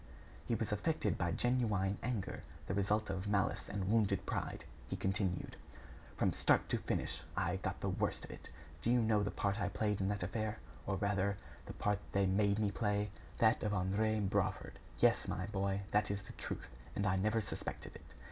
He was affected by genuine anger the result of malice and wounded pride. He continued: "From start to finish, I got the worst of it. Do you know the part I played in that affair, or rather the part they made me play? That of André Brawford! Yes, my boy, that is the truth, and I never suspected it.